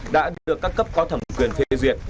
đã được các cấp có thẩm quyền phê duyệt